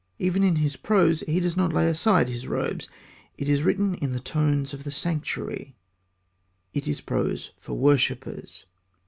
Even in his prose he does not lay aside his robes; it is written in the tones of the sanctuary: it is prose for worshippers.